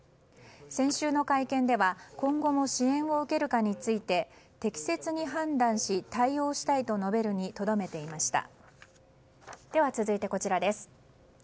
先週の会見では今後も支援を受けるかについて適切に判断し、対応したいと述べるにとどめていました。